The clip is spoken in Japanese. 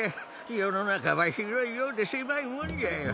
世の中は広いようで狭いもんじゃよ。